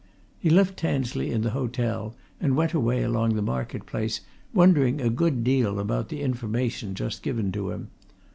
He left Tansley in the hotel and went away along the market place, wondering a good deal about the information just given to him.